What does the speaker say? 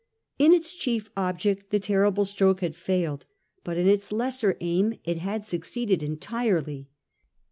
In its chief object the terrible stroke had failed, but in its lesser aim it had succeeded entirely.